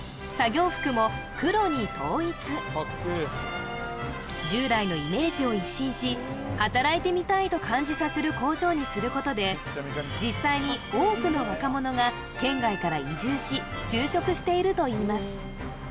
作業服も黒に統一従来のイメージを一新し働いてみたいと感じさせる工場にすることで実際に多くのしているといいます